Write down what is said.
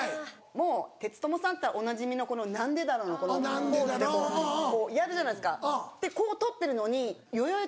もうテツトモさんっていったらおなじみの「なんでだろう」のポーズでこうやるじゃないですかでこう撮ってるのによよよ